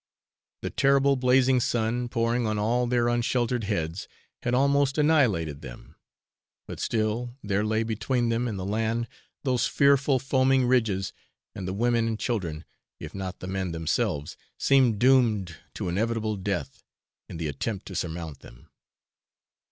The terrible blazing sun pouring on all their unsheltered heads had almost annihilated them; but still there lay between them and the land those fearful foaming ridges, and the women and children, if not the men themselves, seemed doomed to inevitable death in the attempt to surmount them.